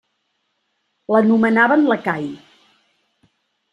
L'anomenaven lacai.